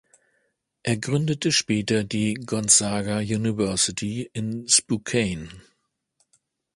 Er gründete später die Gonzaga University in Spokane.